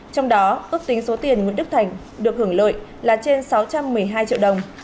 trong đó ước tính số tiền nguyễn đức thành được hưởng lợi là trên sáu trăm một mươi hai triệu đồng